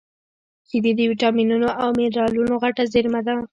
شیدې د ویټامینونو او مینرالونو غټه زېرمه ده